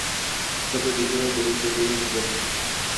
Está protegida por un pequeño pórtico.